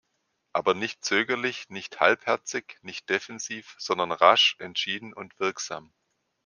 Aber nicht zögerlich, nicht halbherzig, nicht defensiv, sondern rasch, entschieden und wirksam.